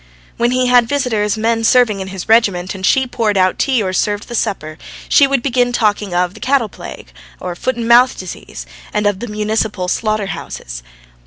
When he had visitors, men serving in his regiment, and she poured out tea or served the supper, she would begin talking of the cattle plague, of the foot and mouth disease, and of the municipal slaughterhouses.